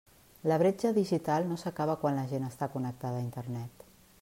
La bretxa digital no s'acaba quan la gent està connectada a Internet.